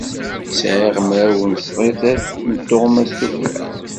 Sɛiɣ mraw sḍiset n tuɣmas sufella.